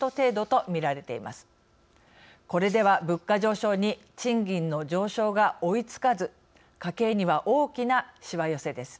これでは物価上昇に賃金の上昇が追いつかず家計には大きなしわ寄せです。